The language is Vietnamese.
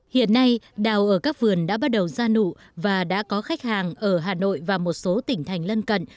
hiện nay đào ở các vườn đã bắt đầu ra nụ và đã có khách hàng ở hà nội và một số tỉnh thành lân cận